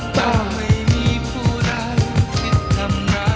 ที่รักหลับตา